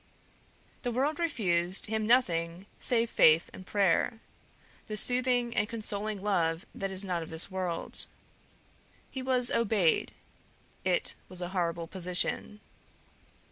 The world refused him nothing save faith and prayer, the soothing and consoling love that is not of this world. He was obeyed it was a horrible position.